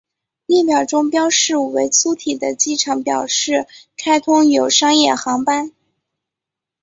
列表中标示为粗体的机场表示开通有商业航班。